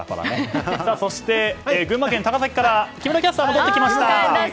そして、群馬県高崎から木村キャスターが戻ってきました。